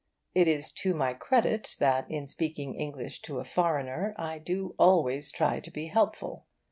It is to my credit that in speaking English to a foreigner I do always try to be helpful.